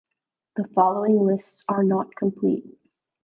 The following lists are not complete.